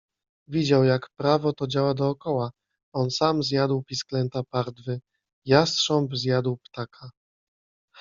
Widział jak prawo to działa dookoła. On sam zjadł pisklęta pardwy. Jastrząb zjadł ptaka -